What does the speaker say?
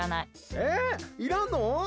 えー、いらんの？